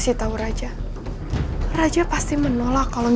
itu banyak perkembangan england